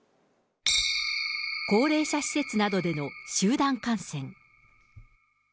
高齢者施設などでの集団感染。